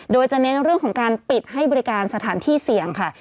โดยจะเน้นเรื่องของการปิดให้บริการสถานที่เสี่ยงค่ะ